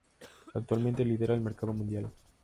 Actualmente lidera el mercado mundial.